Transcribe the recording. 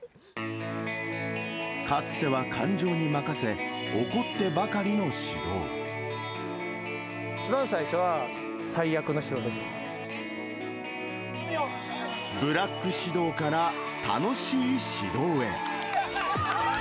かつては感情に任せ、一番最初は、最悪の指導でしブラック指導から楽しい指導へ。